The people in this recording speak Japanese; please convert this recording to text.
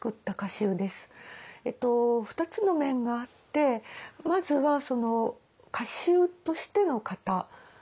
２つの面があってまずはその歌集としての型。